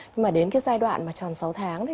nhưng mà đến cái giai đoạn mà tròn sáu tháng